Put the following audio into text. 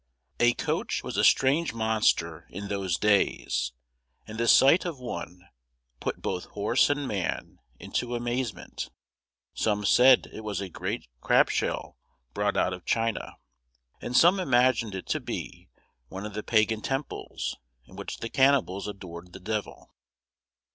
A coach was a strange monster in those days, and the sight of one put both horse and man into amazement. Some said it was a great crabshell brought out of China, and some imagined it to be one of the Pagan temples in which the Cannibals adored the divell.